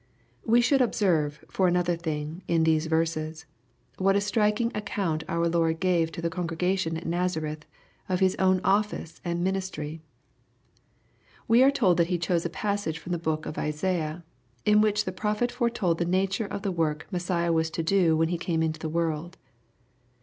We should observe, for another thing, in these verses, what a striking cLCcount our Lord gave to the congregation at Nazareth, of His own office and ministry. We are told that He chose a passage from the book of Isaiah, in which the prophet foretold the nature of the work Messiah was to do when He came into the world.